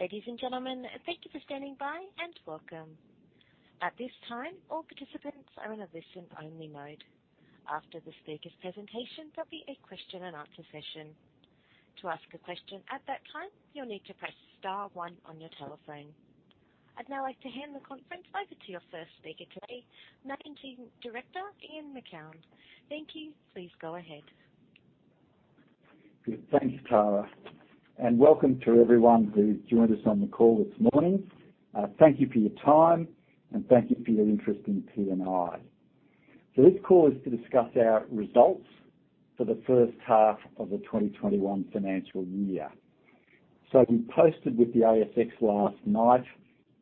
Ladies and gentlemen, thank you for standing by, and welcome. At this time, all the participants are in a listen only-mode. After the speaker's presentation, there will be a question and answer session. To ask a question at this time you'll need to press star one on your telephone. I'd now like to hand the conference over to your first speaker today, Managing Director, Ian Macoun. Thank you. Please go ahead. Thank you, Tara, and welcome to everyone who's joined us on the call this morning. Thank you for your time, and thank you for your interest in PNI. This call is to discuss our results for the first half of the 2021 financial year. We posted with the ASX last night,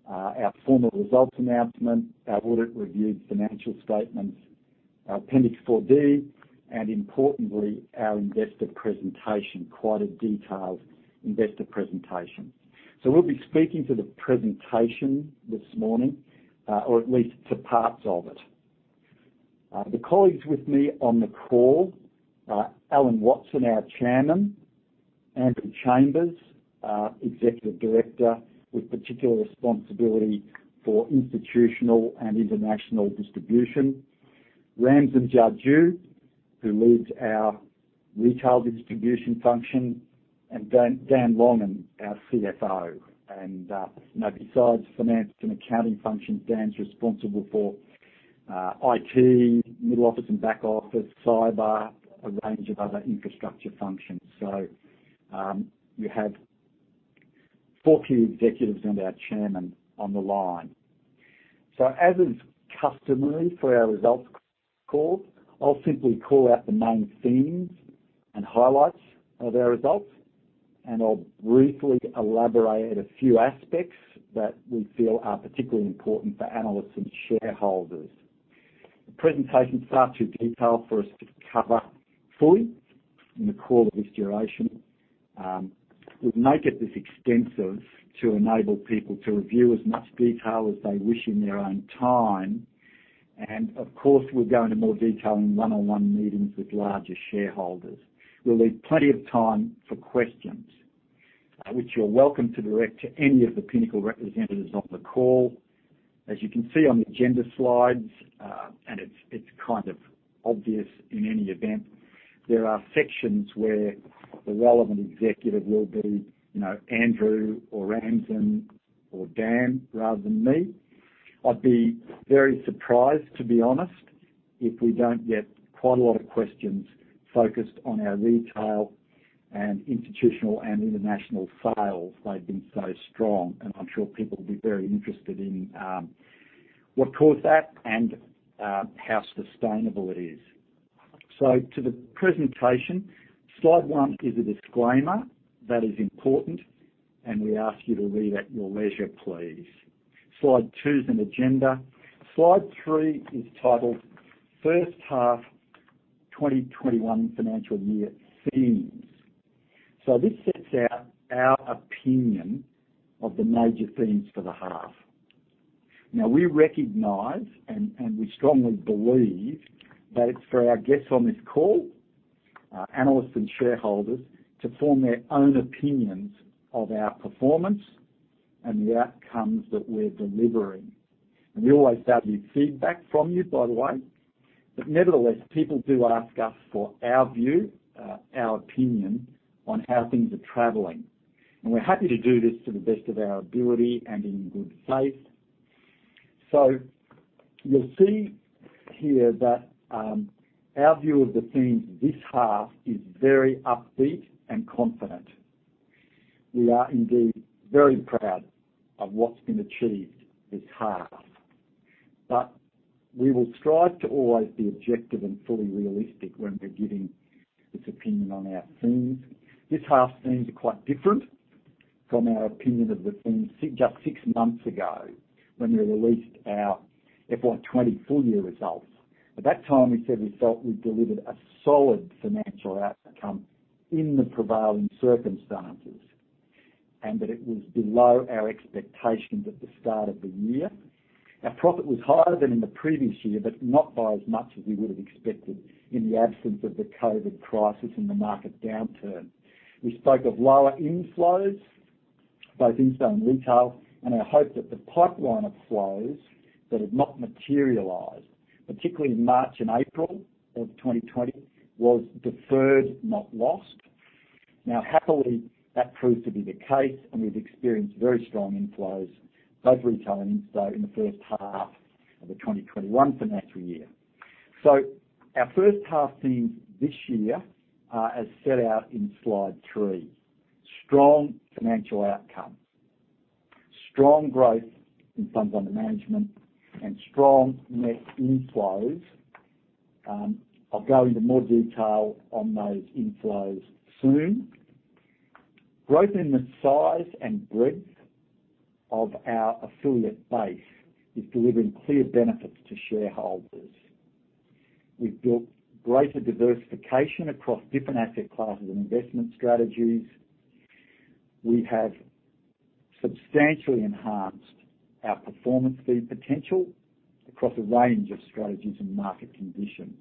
our formal results announcement, our audit reviewed financial statements, our Appendix 4D, and importantly, our investor presentation, quite a detailed investor presentation. We'll be speaking to the presentation this morning, or at least to parts of it. The colleagues with me on the call are Alan Watson, our chairman; Andrew Chambers, executive director with particular responsibility for institutional and international distribution; Ramsin Jajoo, who leads our retail distribution function; and Dan Longan, our Chief Financial Officer. Besides finance and accounting functions, Dan's responsible for IT, middle office and back office, cyber, a range of other infrastructure functions. You have four key executives and our chairman on the line. As is customary for our results calls, I'll simply call out the main themes and highlights of our results, and I'll briefly elaborate a few aspects that we feel are particularly important for analysts and shareholders. The presentation's far too detailed for us to cover fully in the call of this duration. We've make it this extensive to enable people to review as much detail as they wish in their own time. Of course, we'll go into more detail in one-on-one meetings with larger shareholders. We'll leave plenty of time for questions, which you're welcome to direct to any of the Pinnacle representatives on the call. You can see on the agenda slides, and it is kind of obvious in any event, there are sections where the relevant executive will be Andrew or Ramsin or Dan rather than me. I would be very surprised, to be honest, if we do not get quite a lot of questions focused on our retail and institutional and international sales. They have been so strong, and I am sure people will be very interested in what caused that and how sustainable it is. To the presentation. Slide one is a disclaimer that is important, and we ask you to read at your leisure, please. Slide two is an agenda. Slide three is titled First Half 2021 Financial Year Themes. This sets out our opinion of the major themes for the half. Now, we recognize and we strongly believe that it's for our guests on this call, analysts and shareholders, to form their own opinions of our performance and the outcomes that we're delivering. We always value feedback from you, by the way. Nevertheless, people do ask us for our view, our opinion on how things are traveling. We're happy to do this to the best of our ability and in good faith. You'll see here that our view of the themes this half is very upbeat and confident. We are indeed very proud of what's been achieved this half, we will strive to always be objective and fully realistic when we're giving this opinion on our themes. This half's themes are quite different from our opinion of the themes just six months ago when we released our FY 2020 full-year results. At that time, we said we felt we delivered a solid financial outcome in the prevailing circumstances, and that it was below our expectations at the start of the year. Our profit was higher than in the previous year, but not by as much as we would have expected in the absence of the COVID crisis and the market downturn. We spoke of lower inflows, both insto and retail, and our hope that the pipeline of flows that had not materialized, particularly in March and April of 2020, was deferred, not lost. Happily, that proved to be the case, and we've experienced very strong inflows, both retail and insto, in the first half of the 2021 financial year. Our first half themes this year are as set out in slide three. Strong financial outcomes, strong growth in funds under management, and strong net inflows. I'll go into more detail on those inflows soon. Growth in the size and breadth of our affiliate base is delivering clear benefits to shareholders. We've built greater diversification across different asset classes and investment strategies. We have substantially enhanced our performance fee potential across a range of strategies and market conditions.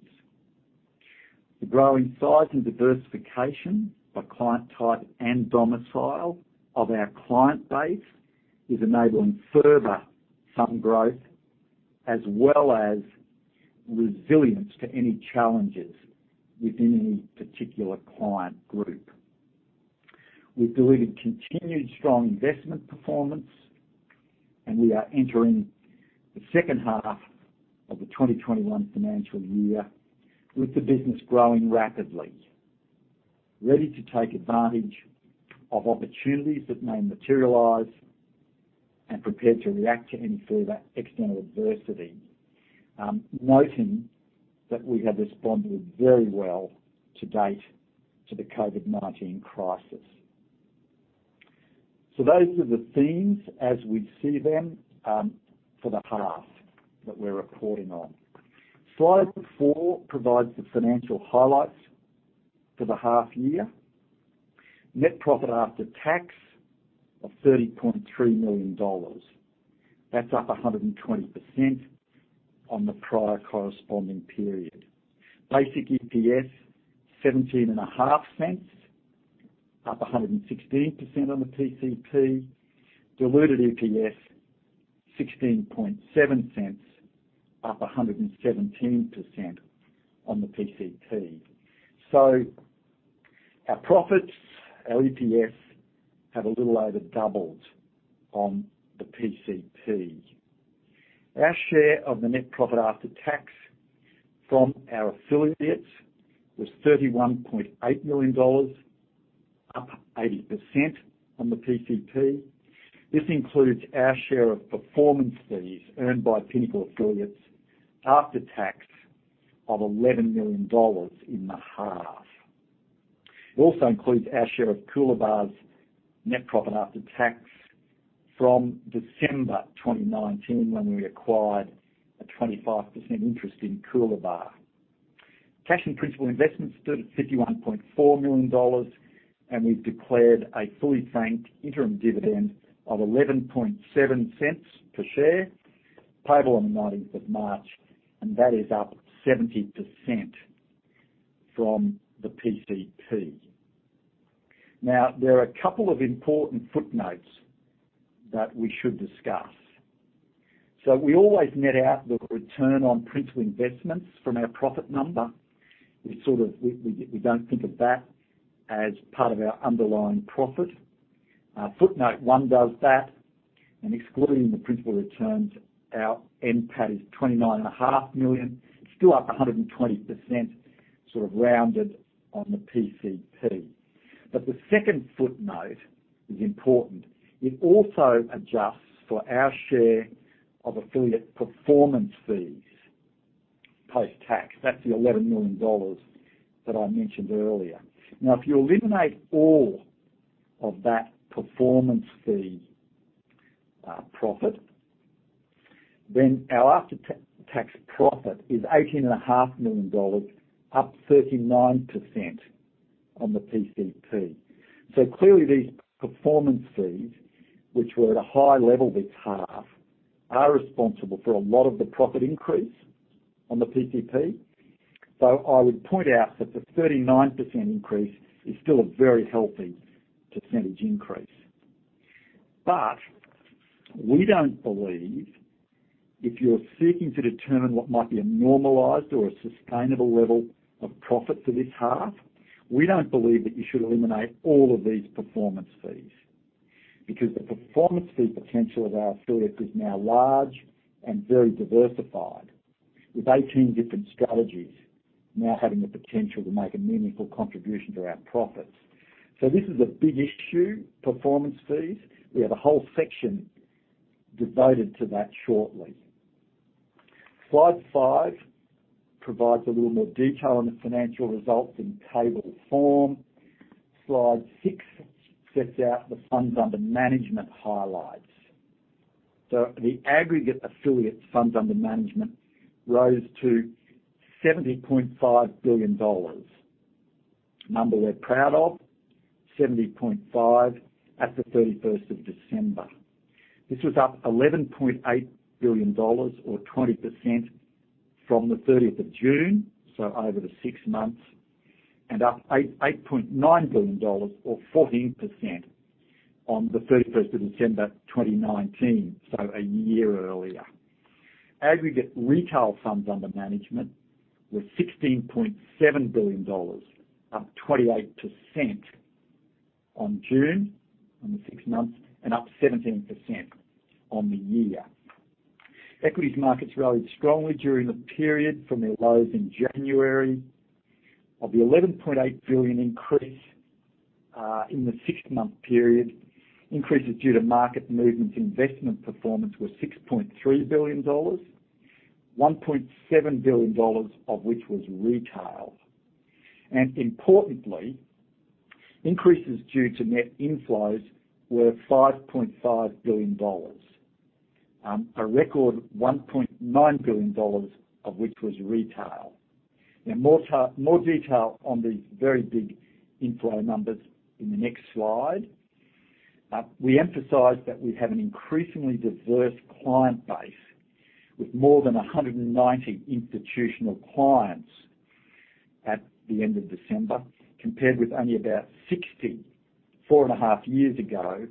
The growing size and diversification by client type and domicile of our client base is enabling further fund growth, as well as resilience to any challenges within any particular client group. We've delivered continued strong investment performance, and we are entering the second half of the 2021 financial year with the business growing rapidly, ready to take advantage of opportunities that may materialize and prepared to react to any further external adversity. Noting that we have responded very well to date to the COVID-19 crisis. Those are the themes as we see them for the half that we're reporting on. Slide four provides the financial highlights for the half year. Net profit after tax of 30.3 million dollars. That's up 120% on the prior corresponding period. Basic EPS, 0.175, up 116% on the PCP. Diluted EPS, 0.167, up 117% on the PCP. Our profits, our EPS, have a little over doubled on the PCP. Our share of the net profit after tax from our affiliates was 31.8 million dollars, up 80% on the PCP. This includes our share of performance fees earned by Pinnacle affiliates after tax of 11 million dollars in the half. It also includes our share of Coolabah's net profit after tax from December 2019, when we acquired a 25% interest in Coolabah. Cash and principal investments stood at AUD 51.4 million, we've declared a fully franked interim dividend of 0.117 per share, payable on the 19th of March, that is up 70% from the PCP. There are a couple of important footnotes that we should discuss. We always net out the return on principal investments from our profit number. We don't think of that as part of our underlying profit. Footnote one does that, excluding the principal returns, our NPAT is 29.5 million. It's still up 120%, rounded on the PCP. The second footnote is important. It also adjusts for our share of affiliate performance fees post-tax. That's the 11 million dollars that I mentioned earlier. If you eliminate all of that performance fee profit, our after-tax profit is 18.5 million dollars, up 39% on the PCP. Clearly, these performance fees, which were at a high level this half, are responsible for a lot of the profit increase on the PCP. I would point out that the 39% increase is still a very healthy percentage increase. We don't believe if you're seeking to determine what might be a normalized or a sustainable level of profit for this half, we don't believe that you should eliminate all of these performance fees, because the performance fee potential of our affiliates is now large and very diversified, with 18 different strategies now having the potential to make a meaningful contribution to our profits. This is a big issue, performance fees. We have a whole section devoted to that shortly. Slide five provides a little more detail on the financial results in table form. Slide six sets out the funds under management highlights. The aggregate affiliate funds under management rose to 70.5 billion dollars. A number we're proud of, 70.5 at the 31st of December. This was up 11.8 billion dollars, or 20%, from the 30th of June, so over the six months, and up 8.9 billion dollars, or 14%, on the 31st of December 2019, so a year earlier. Aggregate retail funds under management were 16.7 billion dollars, up 28% on June, on the six months, and up 17% on the year. Equities markets rallied strongly during the period from their lows in January. Of the 11.8 billion increase in the six-month period, increases due to market movements and investment performance were 6.3 billion dollars, 1.7 billion dollars of which was retail. Importantly, increases due to net inflows were 5.5 billion dollars. A record 1.9 billion dollars of which was retail. Now, more detail on these very big inflow numbers in the next slide. We emphasize that we have an increasingly diverse client base with more than 190 institutional clients at the end of December, compared with only about 60 four and a half years ago,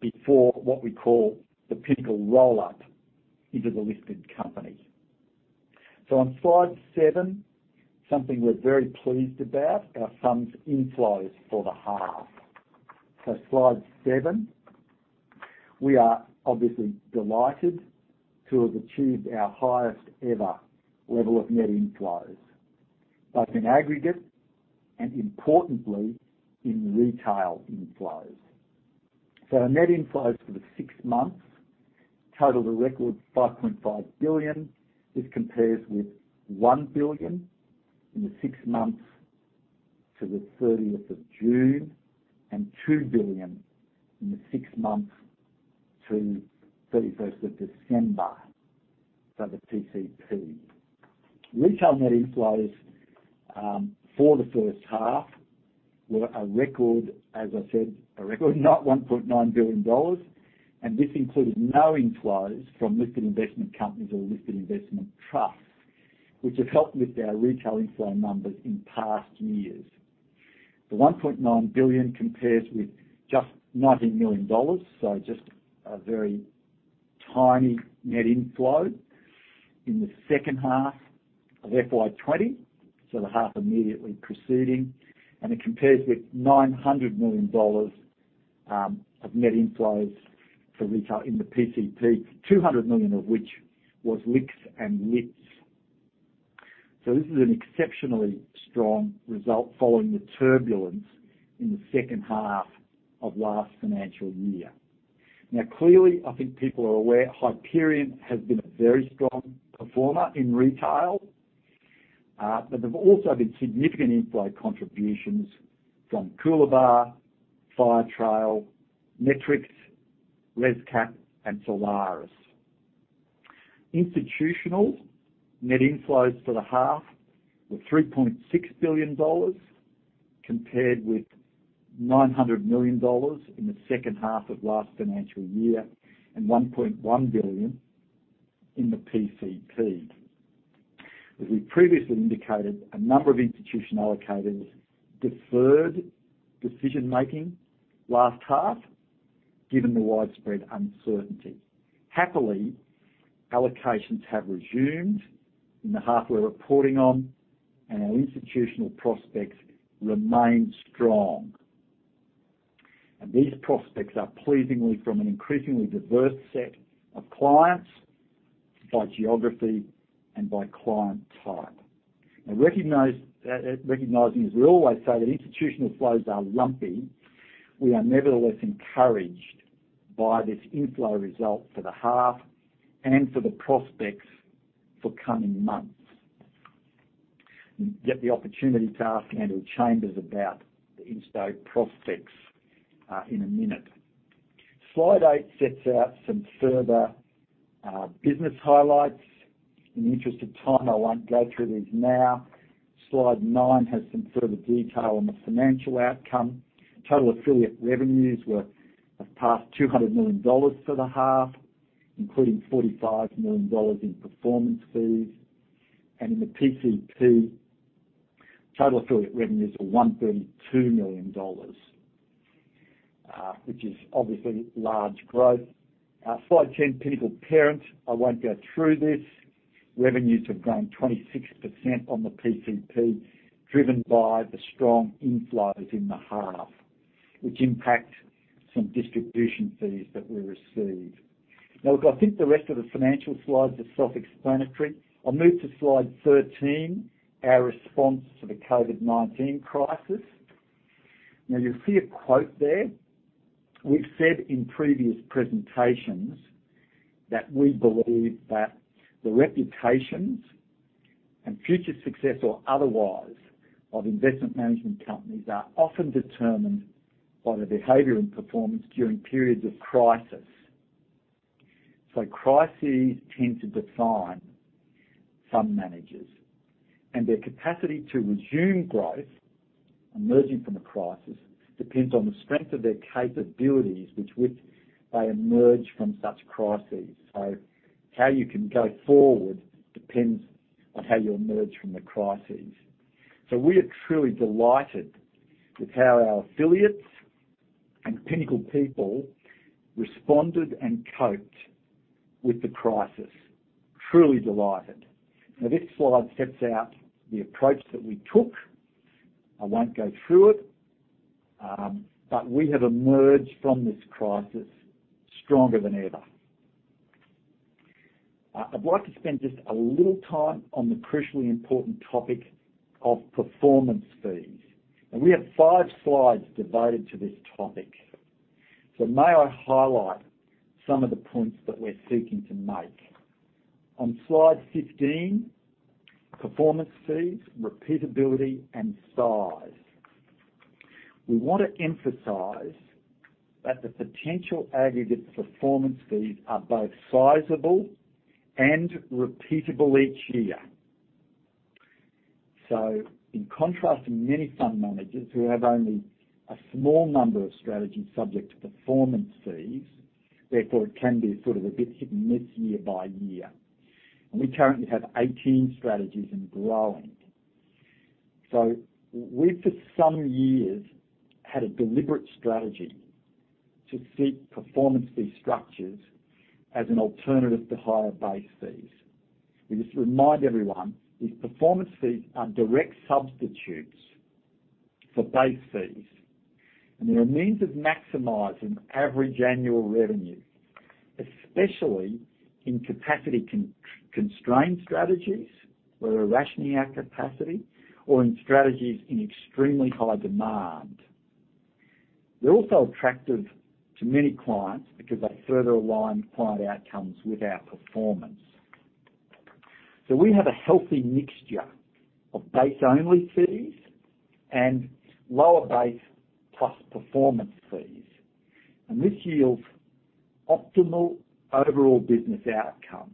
before what we call the Pinnacle roll-up into the listed company. On slide seven, something we are very pleased about, our funds inflows for the half. Slide seven, we are obviously delighted to have achieved our highest ever level of net inflows, both in aggregate and importantly, in retail inflows. Our net inflows for the six months totaled a record 5.5 billion. This compares with 1 billion in the six months to the 30th of June, and 2 billion in the six months to 31st of December, so the PCP. Retail net inflows for the first half were a record, as I said, a record 1.9 billion dollars, this included no inflows from listed investment companies or listed investment trusts, which have helped with our retail inflow numbers in past years. The 1.9 billion compares with just 90 million dollars, so just a very tiny net inflow in the second half of FY 2020, so the half immediately preceding, it compares with 900 million dollars of net inflows for retail in the PCP, 200 million of which was LICs and LITs. This is an exceptionally strong result following the turbulence in the second half of last financial year. Clearly, I think people are aware, Hyperion has been a very strong performer in retail, but there've also been significant inflow contributions from Coolabah, Firetrail, Metrics, ResCap, and Solaris. Institutional net inflows for the half were 3.6 billion dollars, compared with 900 million dollars in the second half of last financial year and 1.1 billion in the PCP. As we previously indicated, a number of institutional allocators deferred decision-making last half given the widespread uncertainty. Happily, allocations have resumed in the half we're reporting on, and our institutional prospects remain strong. These prospects are pleasingly from an increasingly diverse set of clients by geography and by client type. Now, recognizing, as we always say, that institutional flows are lumpy, we are nevertheless encouraged by this inflow result for the half and for the prospects for coming months. You get the opportunity to ask Andrew Chambers about the inflow prospects in a minute. Slide eight sets out some further business highlights. In the interest of time, I won't go through these now. Slide nine has some further detail on the financial outcome. Total affiliate revenues have passed 200 million dollars for the half, including 45 million dollars in performance fees. In the PCP, total affiliate revenues were 132 million dollars, which is obviously large growth. Slide 10, Pinnacle Parent, I won't go through this. Revenues have grown 26% on the PCP, driven by the strong inflows in the half, which impact some distribution fees that we receive. Look, I think the rest of the financial slides are self-explanatory. I'll move to slide 13, our response to the COVID-19 crisis. You'll see a quote there. We've said in previous presentations that we believe that the reputations and future success or otherwise of investment management companies are often determined by their behavior and performance during periods of crisis. Crises tend to define some managers, and their capacity to resume growth, emerging from a crisis, depends on the strength of their capabilities with which they emerge from such crises. How you can go forward depends on how you emerge from the crises. We are truly delighted with how our affiliates and Pinnacle people responded and coped with the crisis. Truly delighted. Now, this slide sets out the approach that we took. I won't go through it. We have emerged from this crisis stronger than ever. I'd like to spend just a little time on the crucially important topic of performance fees. We have five slides devoted to this topic. May I highlight some of the points that we're seeking to make. On slide 15, performance fees, repeatability, and size. We want to emphasize that the potential aggregate performance fees are both sizable and repeatable each year. In contrast to many fund managers who have only a small number of strategies subject to performance fees, therefore it can be sort of a bit hit and miss year by year. We currently have 18 strategies and growing. We've for some years had a deliberate strategy to seek performance fee structures as an alternative to higher base fees. We just remind everyone these performance fees are direct substitutes for base fees, and they're a means of maximizing average annual revenue, especially in capacity-constrained strategies, where we're rationing our capacity or in strategies in extremely high demand. They're also attractive to many clients because they further align client outcomes with our performance. We have a healthy mixture of base-only fees and lower base plus performance fees, and this yields optimal overall business outcomes.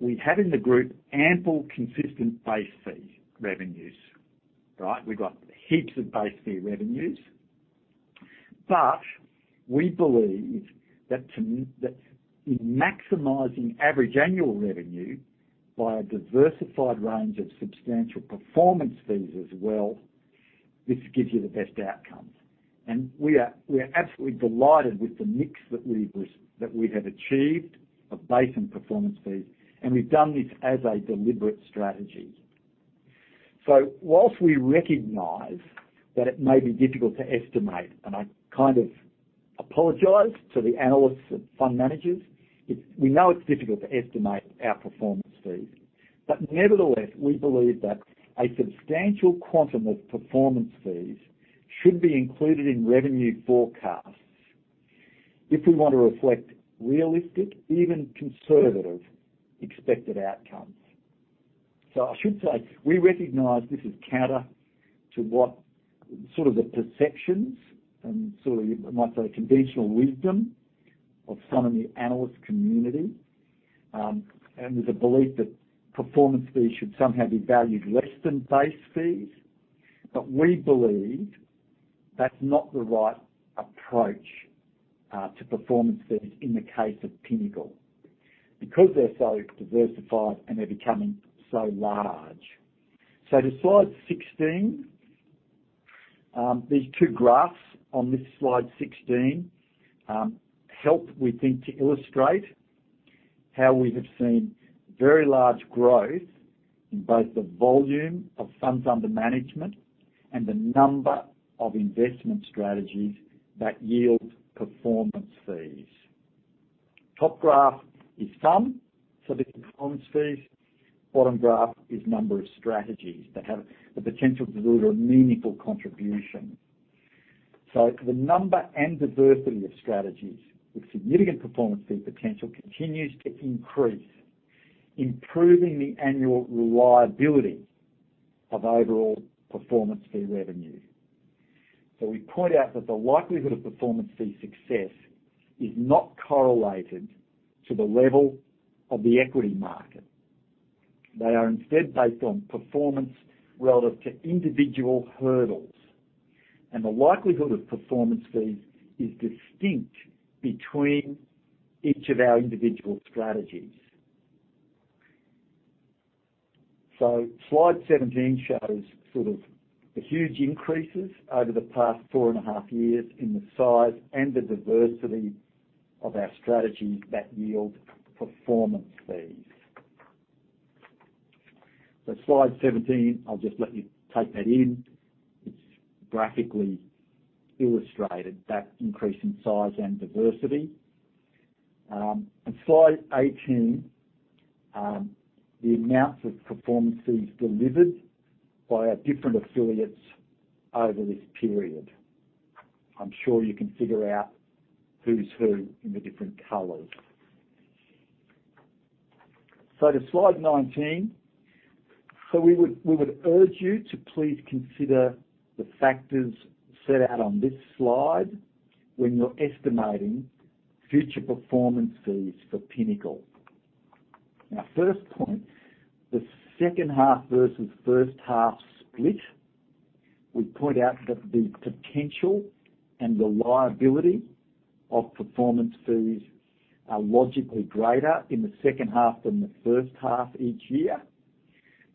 We have in the group ample consistent base fee revenues, right? We've got heaps of base fee revenues, but we believe that in maximizing average annual revenue by a diversified range of substantial performance fees as well, this gives you the best outcomes. We are absolutely delighted with the mix that we have achieved of base and performance fees, and we've done this as a deliberate strategy. Whilst we recognize that it may be difficult to estimate, and I kind of apologize to the analysts and fund managers, we know it's difficult to estimate our performance fees. Nevertheless, we believe that a substantial quantum of performance fees should be included in revenue forecasts if we want to reflect realistic, even conservative, expected outcomes. I should say, we recognize this is counter to what sort of the perceptions and sort of, you might say, conventional wisdom of some in the analyst community, and there's a belief that performance fees should somehow be valued less than base fees. We believe that's not the right approach to performance fees in the case of Pinnacle because they're so diversified and they're becoming so large. To slide 16. These two graphs on this slide 16 help, we think, to illustrate how we have seen very large growth in both the volume of funds under management and the number of investment strategies that yield performance fees. Top graph is FUM, so this is performance fees. Bottom graph is number of strategies that have the potential to deliver a meaningful contribution. The number and diversity of strategies with significant performance fee potential continues to increase, improving the annual reliability of overall performance fee revenue. We point out that the likelihood of performance fee success is not correlated to the level of the equity market. They are instead based on performance relative to individual hurdles. The likelihood of performance fees is distinct between each of our individual strategies. Slide 17 shows sort of the huge increases over the past four and a half years in the size and the diversity of our strategies that yield performance fees. Slide 17, I'll just let you take that in. It's graphically illustrated that increase in size and diversity. Slide 18, the amounts of performance fees delivered by our different affiliates over this period. I'm sure you can figure out who's who in the different colors. To slide 19. We would urge you to please consider the factors set out on this slide when you're estimating future performance fees for Pinnacle. First point, the second half versus first half split, we point out that the potential and reliability of performance fees are logically greater in the second half than the first half each year.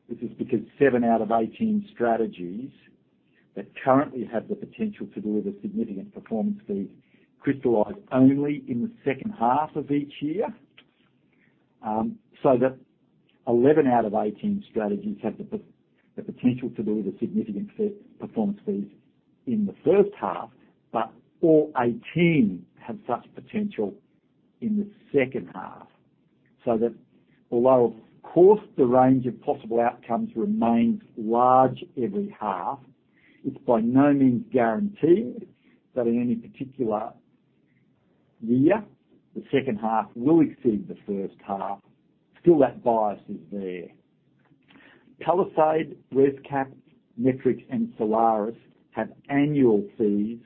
This is because seven out of 18 strategies that currently have the potential to deliver significant performance fees crystallize only in the second half of each year. 11 out of 18 strategies have the potential to deliver significant performance fees in the first half, but all 18 have such potential in the second half. Although, of course, the range of possible outcomes remains large every half, it's by no means guaranteed that in any particular year, the second half will exceed the first half. That bias is there. Palisade, ResCap, Metrics and Solaris have annual fees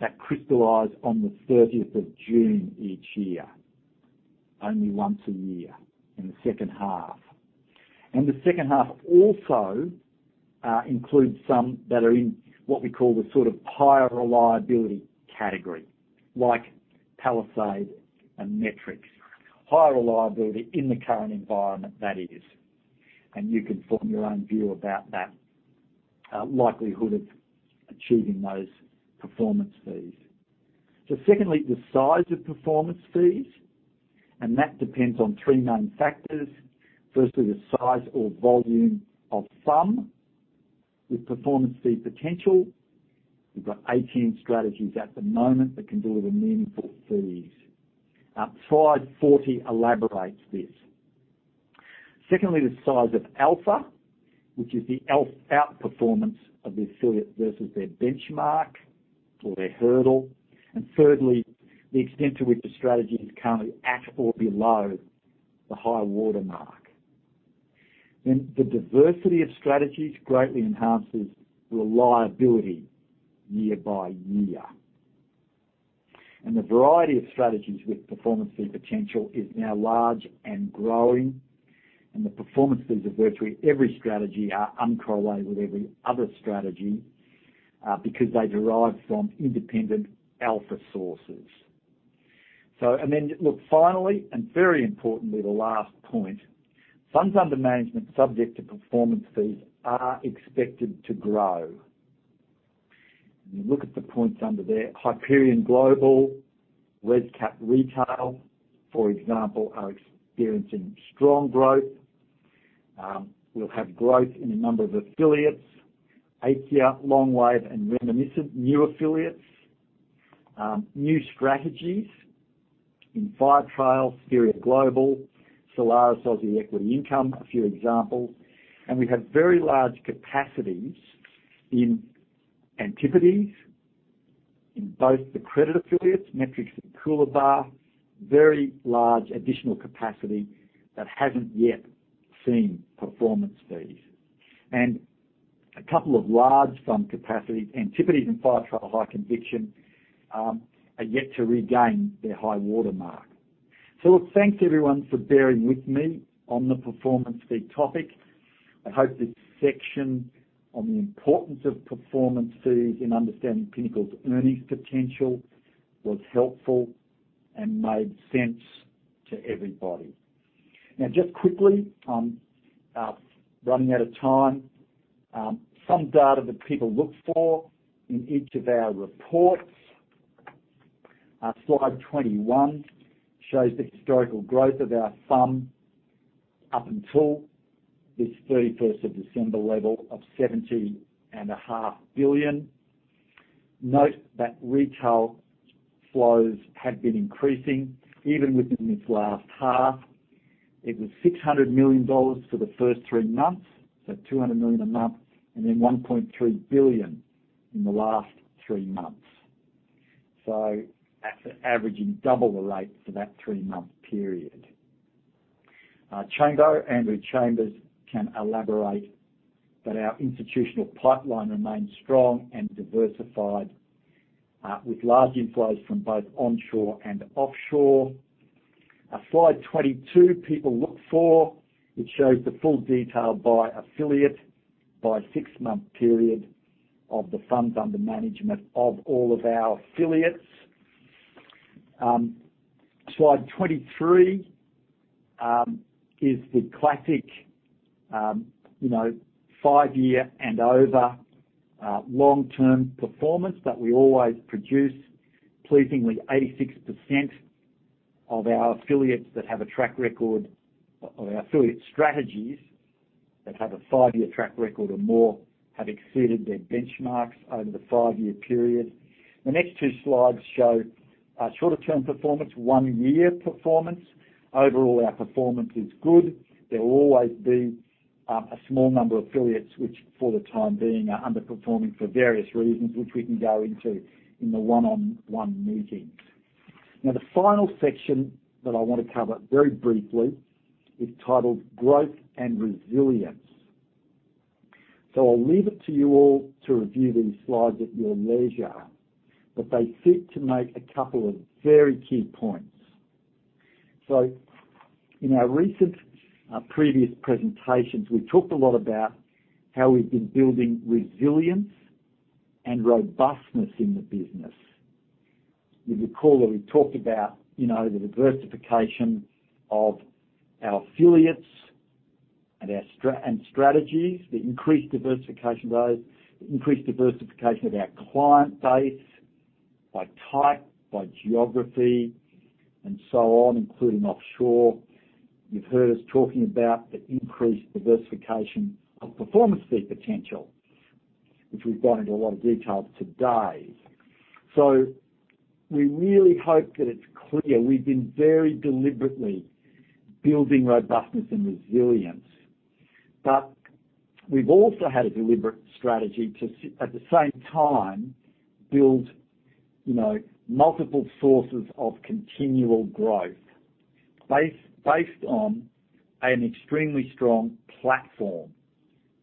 that crystallize on the 30th of June each year. Only once a year in the second half. The second half also includes some that are in what we call the higher reliability category, like Palisade and Metrics. Higher reliability in the current environment, that is, and you can form your own view about that likelihood of achieving those performance fees. Secondly, the size of performance fees, and that depends on three main factors. Firstly, the size or volume of FUM with performance fee potential. We've got 18 strategies at the moment that can deliver meaningful fees. Slide 40 elaborates this. Secondly, the size of alpha, which is the outperformance of the affiliate versus their benchmark or their hurdle. Thirdly, the extent to which the strategy is currently at or below the high-water mark. The diversity of strategies greatly enhances reliability year by year. The variety of strategies with performance fee potential is now large and growing, and the performance fees of virtually every strategy are uncorrelated with every other strategy because they derive from independent alpha sources. Look, finally, and very importantly, the last point, funds under management subject to performance fees are expected to grow. You look at the points under there, Hyperion Global, ResCap Retail, for example, are experiencing strong growth. We'll have growth in a number of affiliates, Aikya, Longwave, and Reminiscent, new affiliates. New strategies in Firetrail, Spheria Global, Solaris Aussie Equity Income, a few examples. We have very large capacities in Antipodes in both the credit affiliates, Metrics and Coolabah, very large additional capacity that hasn't yet seen performance fees. A couple of large FUM capacity, Antipodes and Firetrail High Conviction, are yet to regain their high-water mark. Look, thanks everyone for bearing with me on the performance fee topic. I hope this section on the importance of performance fees in understanding Pinnacle's earnings potential was helpful and made sense to everybody. Just quickly, I'm running out of time. Some data that people look for in each of our reports. Slide 21 shows the historical growth of our FUM up until this 31st of December level of 70.5 billion. Note that retail flows have been increasing even within this last half. It was 600 million dollars for the first three months, so 200 million a month, and then 1.3 billion in the last three months. That's averaging double the rate for that three-month period. Chambers, Andrew Chambers can elaborate. Our institutional pipeline remains strong and diversified with large inflows from both onshore and offshore. Slide 22, people look for, it shows the full detail by affiliate by six-month period of the funds under management of all of our affiliates. Slide 23 is the classic five-year and over long-term performance that we always produce. Pleasingly, 86% of our affiliate strategies that have a five-year track record or more have exceeded their benchmarks over the five-year period. The next two slides show shorter-term performance, one-year performance. Overall, our performance is good. There will always be a small number of affiliates which, for the time being, are underperforming for various reasons, which we can go into in the one-on-one meetings. The final section that I want to cover very briefly is titled Growth and Resilience. I'll leave it to you all to review these slides at your leisure, but they seek to make a couple of very key points. In our recent previous presentations, we talked a lot about how we've been building resilience and robustness in the business. You'll recall that we talked about the diversification of our affiliates and strategies, the increased diversification of those, the increased diversification of our client base by type, by geography, and so on, including offshore. You've heard us talking about the increased diversification of performance fee potential, which we've gone into a lot of detail today. We really hope that it's clear we've been very deliberately building robustness and resilience. We've also had a deliberate strategy to, at the same time, build multiple sources of continual growth based on an extremely strong platform.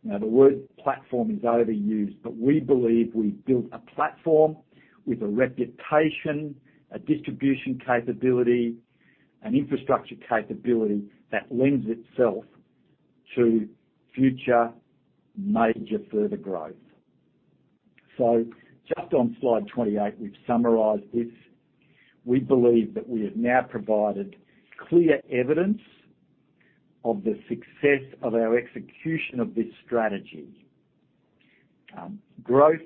Now, the word platform is overused, but we believe we've built a platform with a reputation, a distribution capability, an infrastructure capability that lends itself to future major further growth. Just on slide 28, we've summarized this. We believe that we have now provided clear evidence of the success of our execution of this strategy. Growth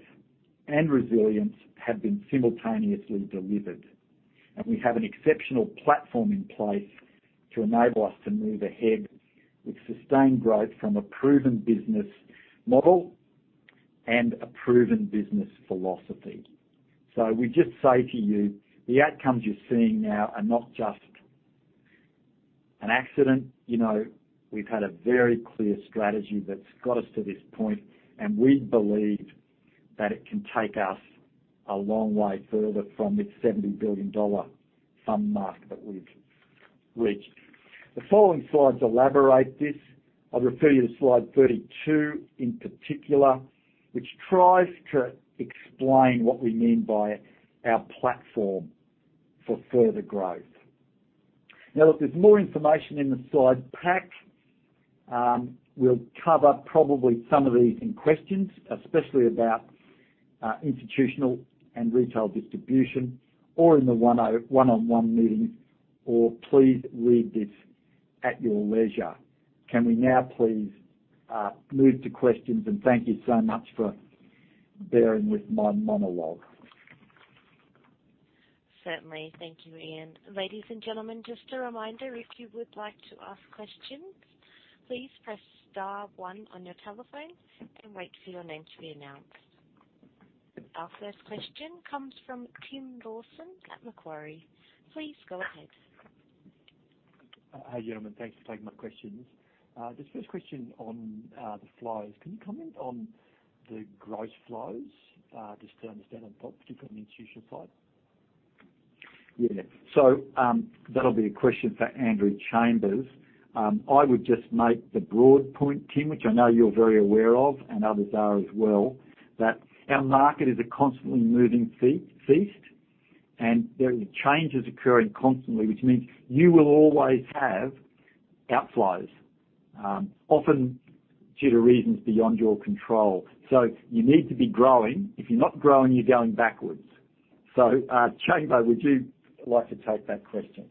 and resilience have been simultaneously delivered, and we have an exceptional platform in place to enable us to move ahead with sustained growth from a proven business model and a proven business philosophy. We just say to you, the outcomes you're seeing now are not just an accident. We've had a very clear strategy that's got us to this point, and we believe that it can take us a long way further from this $70 billion fund mark that we've reached. The following slides elaborate this. I'll refer you to slide 32 in particular, which tries to explain what we mean by our platform for further growth. Look, there's more information in the slide pack. We'll cover probably some of these in questions, especially about institutional and retail distribution, or in the one-on-one meetings, or please read this at your leisure. Can we now please move to questions and thank you so much for bearing with my monologue. Certainly. Thank you, Ian. Ladies and gentlemen, just a reminder, if you would like to ask questions, please press star one on your telephone and wait for your name to be announced. Our first question comes from Tim Lawson at Macquarie. Please go ahead. Hi, gentlemen. Thanks for taking my questions. Just first question on the flows. Can you comment on the gross flows, just to understand, particularly on the institutional side? Yeah. That'll be a question for Andrew Chambers. I would just make the broad point, Tim, which I know you're very aware of and others are as well, that our market is a constantly moving feast, and there are changes occurring constantly, which means you will always have outflows, often due to reasons beyond your control. You need to be growing. If you're not growing, you're going backwards. Chambers, would you like to take that question?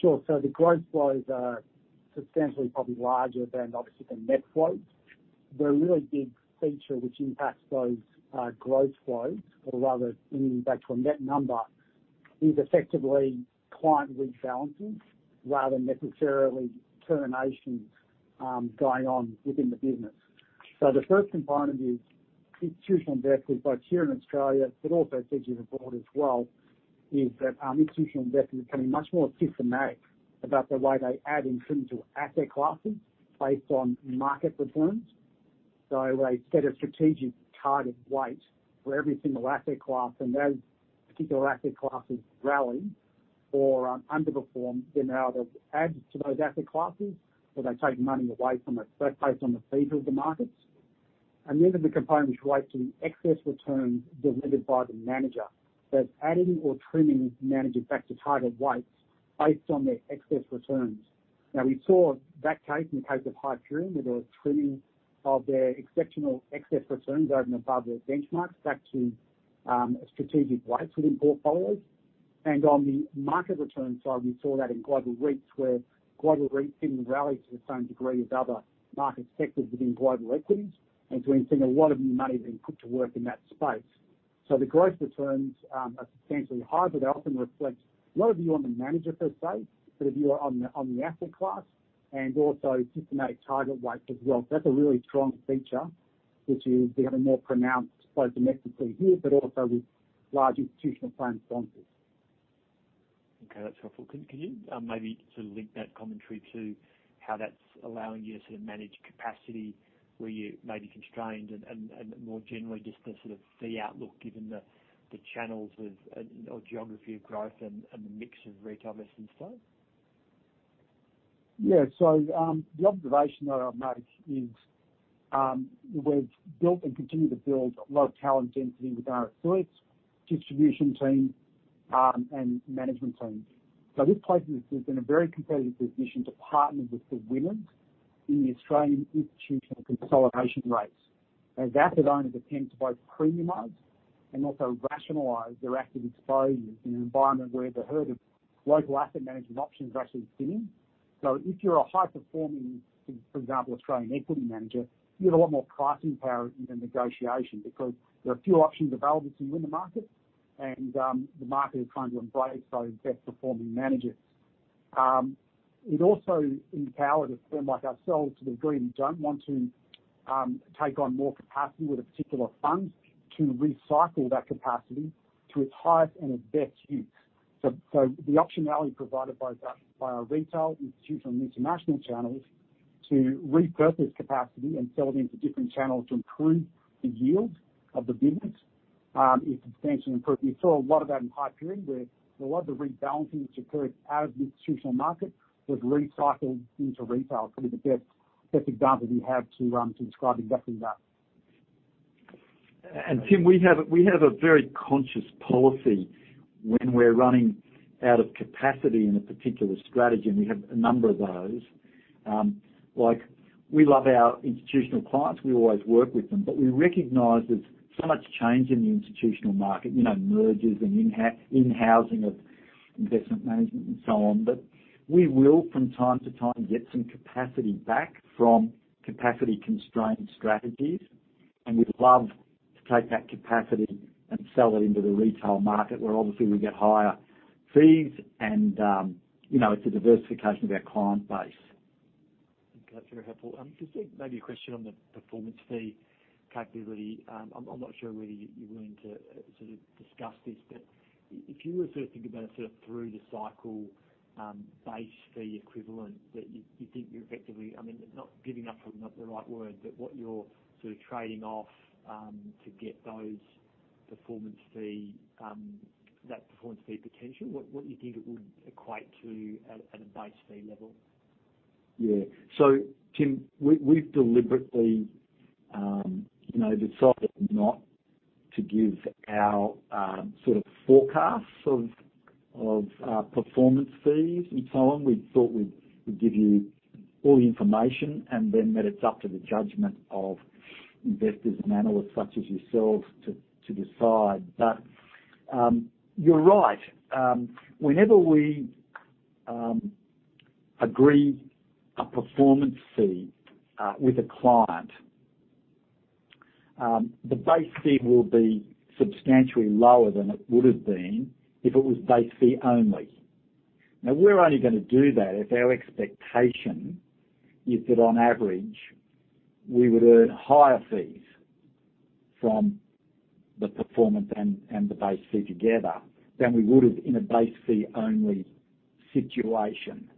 Sure. The gross flows are substantially probably larger than obviously the net flows. The really big feature which impacts those gross flows or rather bringing back to a net number is effectively client rebalancing rather than necessarily terminations going on within the business. The first component is institutional investors, both here in Australia, but also strategically abroad as well, is that institutional investors are becoming much more systematic about the way they add and trim to asset classes based on market returns. They set a strategic targeted weight for every single asset class, and those particular asset classes rally or underperform. They'll either add to those asset classes or they take money away from it based on the phase of the markets. The other component relates to the excess returns delivered by the manager. It's adding or trimming managers back to targeted weights based on their excess returns. We saw that case in the case of Hyperion, where there was trimming of their exceptional excess returns over and above their benchmarks back to strategic weights within portfolios. On the market return side, we saw that in global REITs, where global REITs didn't rally to the same degree as other market sectors within global equities. We've seen a lot of new money being put to work in that space. The gross returns are substantially high, but they often reflect a lot of view on the manager per se, beta view on the asset class and also systematic target weights as well. That's a really strong feature, which is we have a more pronounced both domestically here, but also with large institutional plan sponsors. Okay. That's helpful. Can you maybe link that commentary to how that's allowing you to manage capacity where you're maybe constrained and more generally just the sort of fee outlook given the channels of or geography of growth and the mix of retail versus trade? Yeah. The observation that I'd make is, we've built and continue to build a lot of talent density within our affiliates, distribution team, and management teams. This places us in a very competitive position to partner with the winners in the Australian institutional consolidation race. As asset owners attempt to both premiumize and also rationalize their active exposures in an environment where the herd of local asset management options are actually thinning. If you're a high-performing, for example, Australian equity manager, you have a lot more pricing power in the negotiation because there are fewer options available to you in the market, and the market is trying to embrace those best-performing managers. It also empowered a firm like ourselves to the degree we don't want to take on more capacity with a particular fund to recycle that capacity to its highest and its best use. The optionality provided both by our retail, institutional, and international channels to repurpose capacity and sell it into different channels to improve the yield of the business is substantially improved. You saw a lot of that in Hyperion, where a lot of the rebalancing which occurred out of the institutional market was recycled into retail. It's probably the best example you have to describe exactly that. Tim, we have a very conscious policy when we're running out of capacity in a particular strategy, and we have a number of those. We love our institutional clients, we always work with them, but we recognize there's so much change in the institutional market, mergers and in-housing of investment management and so on. We will, from time to time, get some capacity back from capacity-constrained strategies, and we'd love to take that capacity and sell it into the retail market, where obviously we get higher fees and it's a diversification of our client base. Okay. That's very helpful. Just maybe a question on the performance fee capability. I'm not sure whether you're willing to sort of discuss this, but if you were to think about a sort of through the cycle base fee equivalent that you think you're effectively giving up probably not the right word, but what you're sort of trading off, to get that performance fee potential, what do you think it would equate to at a base fee level? Tim, we've deliberately decided not to give our sort of forecasts of our performance fees and so on. We thought we'd give you all the information and then that it's up to the judgment of investors and analysts such as yourselves to decide. You're right. Whenever we agree a performance fee with a client, the base fee will be substantially lower than it would've been if it was base fee only. We're only going to do that if our expectation is that on average, we would earn higher fees from the performance and the base fee together than we would've in a base fee only situation.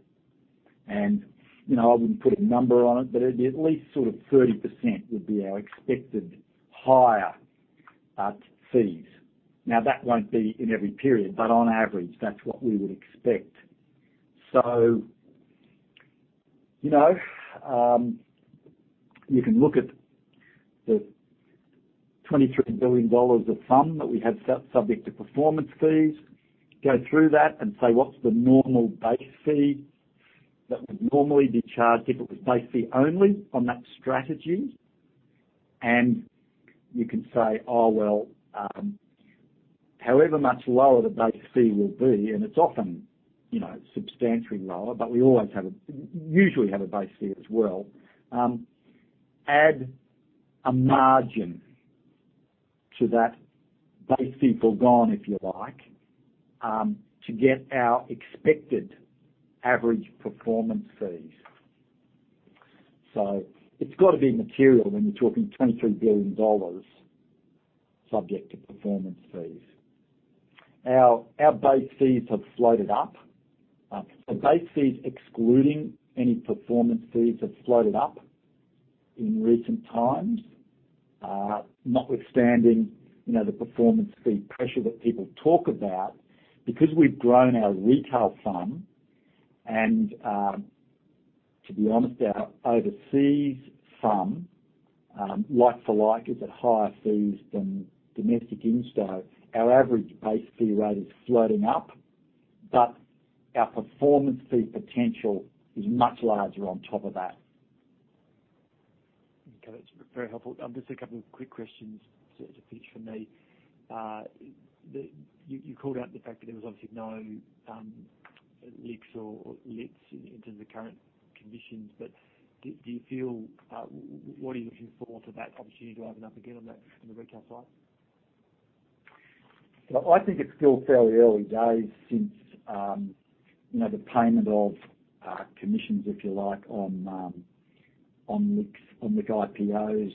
I wouldn't put a number on it, but at least sort of 30% would be our expected higher fees. That won't be in every period, but on average, that's what we would expect. You can look at the 23 billion dollars of FUM that we have subject to performance fees, go through that and say, what's the normal base fee that would normally be charged if it was base fee only on that strategy? You can say, oh, well, however much lower the base fee will be, and it's often substantially lower, but we usually have a base fee as well. Add a margin to that base fee foregone, if you like, to get our expected average performance fees. It's got to be material when you're talking 23 billion dollars subject to performance fees. Our base fees have floated up. Our base fees, excluding any performance fees, have floated up in recent times. Notwithstanding the performance fee pressure that people talk about, because we've grown our retail FUM and, to be honest, our overseas FUM, like for like, is at higher fees than domestic insto. Our average base fee rate is floating up, but our performance fee potential is much larger on top of that. Okay, that's very helpful. Just a couple of quick questions to finish from me. You called out the fact that there was obviously no LICs or LITs in terms of current conditions. What are you looking forward to that opportunity to open up again on the retail side? Look, I think it's still fairly early days since the payment of commissions, if you like, on LIC IPOs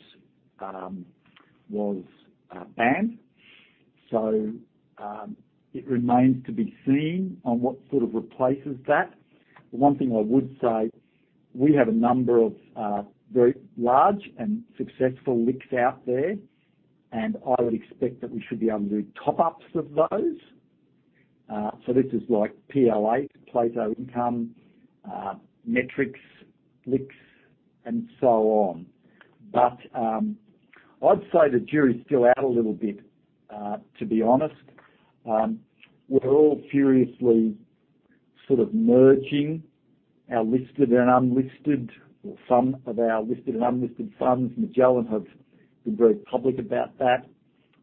was banned. It remains to be seen on what sort of replaces that. The one thing I would say, we have a number of very large and successful LICs out there, and I would expect that we should be able to do top-ups of those. This is like PL8, Plato Income, Metrics, LICs, and so on. I'd say the jury's still out a little bit, to be honest. We're all furiously sort of merging our listed and unlisted or some of our listed and unlisted funds. Magellan have been very public about that.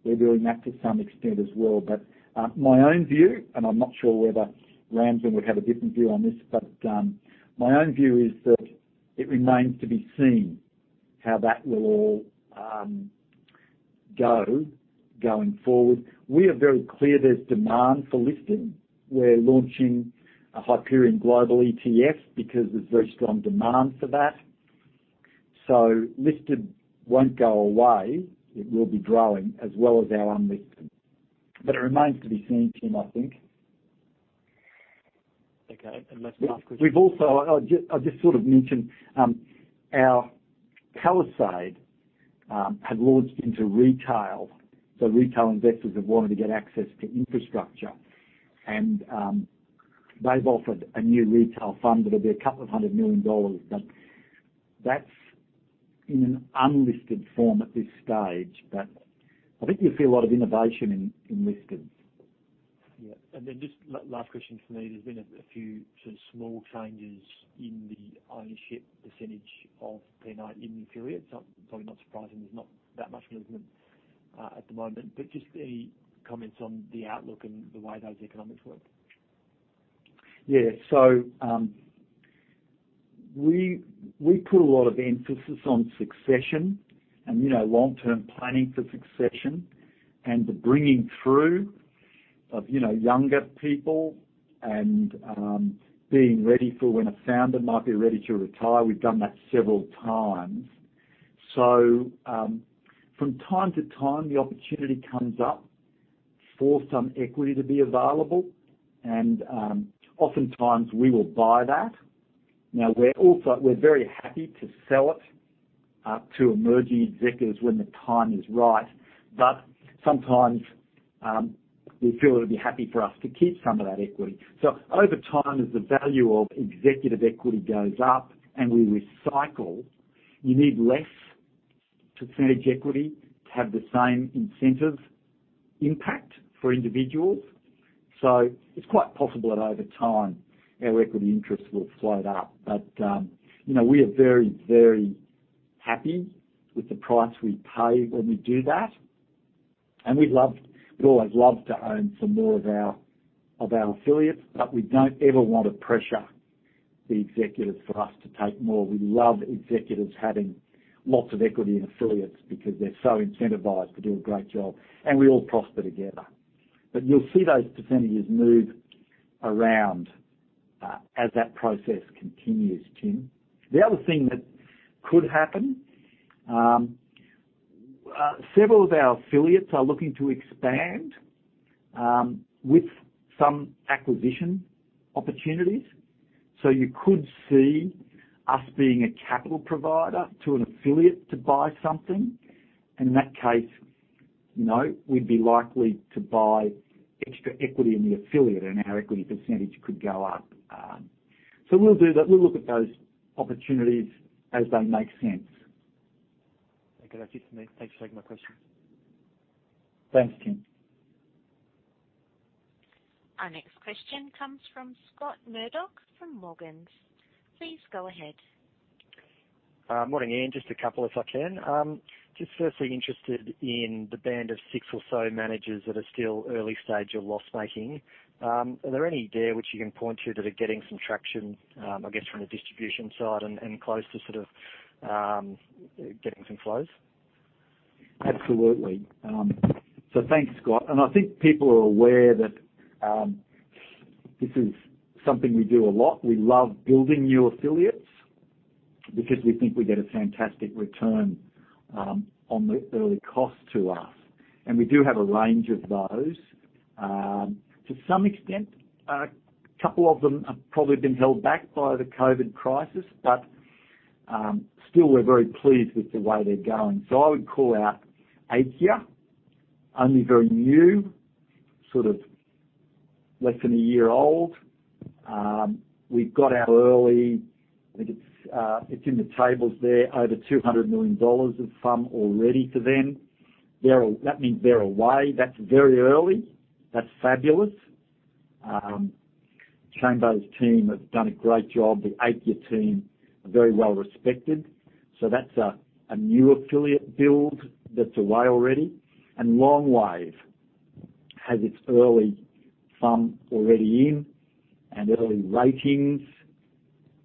We're doing that to some extent as well. My own view, and I'm not sure whether Ramsin would have a different view on this, but my own view is that it remains to be seen how that will all go going forward. We are very clear there's demand for listed. We're launching a Hyperion Global ETF because there's very strong demand for that. Listed won't go away. It will be growing as well as our unlisted. It remains to be seen, Tim, I think. Okay, last question. We've also, I'll just sort of mention our Palisade had launched into retail. Retail investors have wanted to get access to infrastructure, and they've offered a new retail fund that'll be a couple of hundred million dollars, but that's in an unlisted form at this stage. I think you'll see a lot of innovation in listings. Yeah. Then just last question from me. There's been a few sort of small changes in the ownership percentage of PNI in the period. Probably not surprising there's not that much movement at the moment, but just any comments on the outlook and the way those economics work. Yeah. We put a lot of emphasis on succession and long-term planning for succession and the bringing through of younger people and being ready for when a founder might be ready to retire. We've done that several times. From time to time, the opportunity comes up for some equity to be available and oftentimes we will buy that. Now we're very happy to sell it to emerging executives when the time is right, but sometimes we feel it would be happy for us to keep some of that equity. Over time, as the value of executive equity goes up and we recycle, you need less percentage equity to have the same incentives impact for individuals. It's quite possible that over time our equity interest will float up. We are very happy with the price we pay when we do that. We'd always love to own some more of our affiliates, but we don't ever want to pressure the executives for us to take more. We love executives having lots of equity in affiliates because they're so incentivized to do a great job, and we all prosper together. You'll see those percentages move around as that process continues, Tim. The other thing that could happen, several of our affiliates are looking to expand with some acquisition opportunities. You could see us being a capital provider to an affiliate to buy something. In that case, we'd be likely to buy extra equity in the affiliate and our equity percentage could go up. We'll look at those opportunities as they make sense. Okay. That's it for me. Thanks for taking my questions. Thanks, Tim. Our next question comes from Scott Murdoch from Morgans. Please go ahead. Morning, Ian. Just a couple if I can. Just firstly interested in the band of six or so managers that are still early stage of loss-making. Are there any there which you can point to that are getting some traction, I guess from a distribution side and close to sort of getting some flows? Absolutely. Thanks, Scott, I think people are aware that this is something we do a lot. We love building new affiliates because we think we get a fantastic return on the early cost to us. We do have a range of those. To some extent, a couple of them have probably been held back by the COVID crisis. Still we're very pleased with the way they're going. I would call out Aikya, only very new, sort of less than a year old. We've got our early, I think it's in the tables there, over 200 million dollars of FUM already to them. That means they're away. That's very early. That's fabulous. Chambers team has done a great job. The Aikya team are very well respected. That's a new affiliate build that's away already. Longwave has its early FUM already in and early ratings,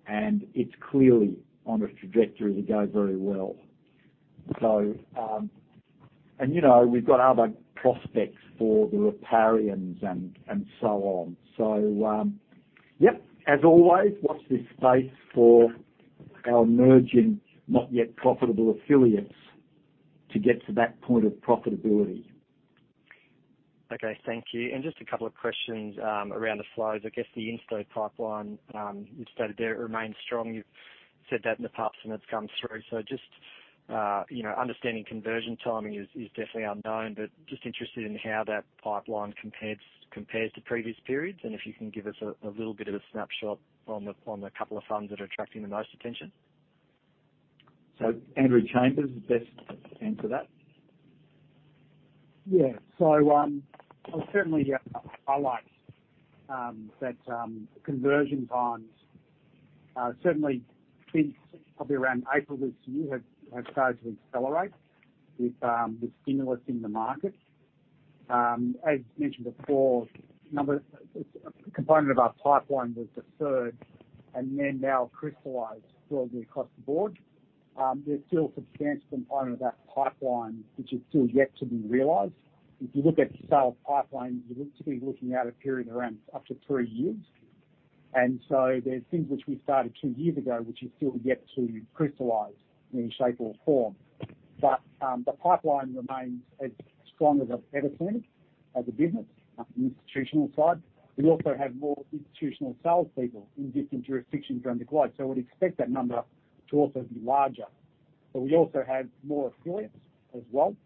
and it's clearly on a trajectory to go very well. We've got other prospects for the Riparians and so on. Yep, as always, watch this space for our emerging, not yet profitable affiliates to get to that point of profitability. Okay, thank you. Just a couple of questions around the flows. I guess the insto pipeline you've stated there remains strong. You've said that in the past and it's come through. Just understanding conversion timing is definitely unknown, but just interested in how that pipeline compares to previous periods, and if you can give us a little bit of a snapshot on the couple of funds that are attracting the most attention. Andrew Chambers is best to answer that. I certainly highlight that conversion times certainly since probably around April this year have started to accelerate with stimulus in the market. As mentioned before, a component of our pipeline was deferred and then now crystallized broadly across the board. There is still a substantial component of that pipeline which is still yet to be realized. If you look at the sales pipeline, you're typically looking at a period around up to three years. There are things which we started two years ago, which are still yet to crystallize in any shape or form. The pipeline remains as strong as I've ever seen as a business on the institutional side. We also have more institutional salespeople in different jurisdictions around the globe. We'd expect that number to also be larger. We also have more affiliates as well,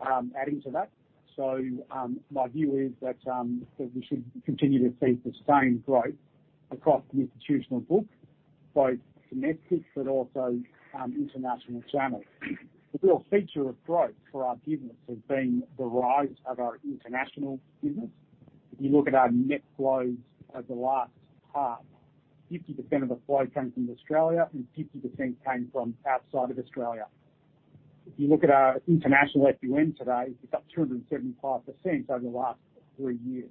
adding to that. My view is that we should continue to see the same growth across the institutional book, both domestic but also international channels. The real feature of growth for our business has been the rise of our international business. If you look at our net flows over the last half, 50% of the flow came from Australia and 50% came from outside of Australia. If you look at our international FUM today, it's up 275% over the last three years.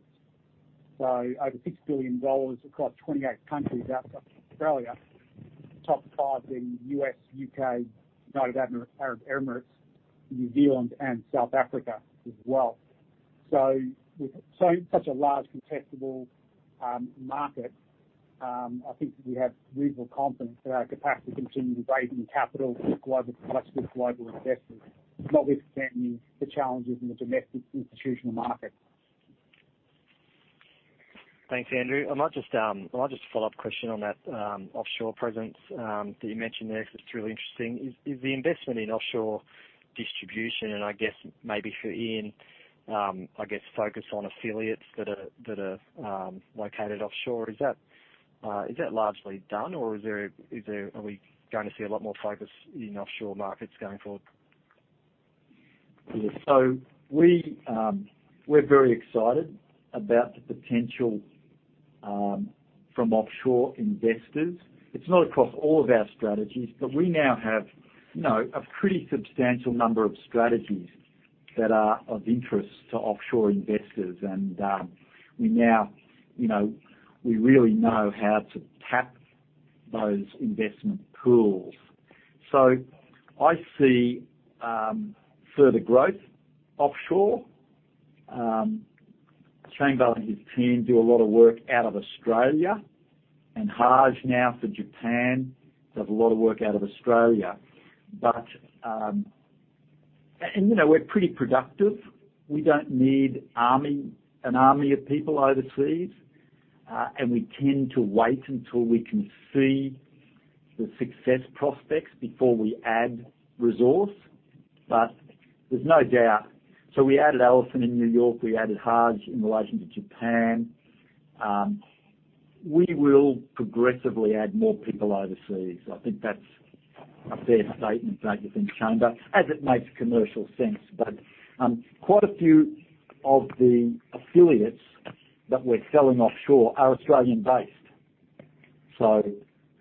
Over 6 billion dollars across 28 countries outside of Australia. Top five being U.S., U.K., United Arab Emirates, New Zealand, and South Africa as well. With such a large contestable market, I think that we have reasonable confidence that our capacity to continue raising capital for global products with global investors, notwithstanding the challenges in the domestic institutional market. Thanks, Andrew. I might just follow-up question on that offshore presence that you mentioned there, because it's really interesting. Is the investment in offshore distribution, and I guess maybe for Ian, I guess focus on affiliates that are located offshore, is that largely done, or are we going to see a lot more focus in offshore markets going forward? Yeah. We're very excited about the potential from offshore investors. It's not across all of our strategies, but we now have a pretty substantial number of strategies that are of interest to offshore investors and we really know how to tap those investment pools. I see further growth offshore. Shane Bell and his team do a lot of work out of Australia and Haj now for Japan, does a lot of work out of Australia. We're pretty productive. We don't need an army of people overseas, and we tend to wait until we can see the success prospects before we add resource. There's no doubt. We added Allison in New York, we added Haj in relation to Japan. We will progressively add more people overseas. I think that's a fair statement to make which Chambers just said as it makes commercial sense. Quite a few of the affiliates that we're selling offshore are Australian-based.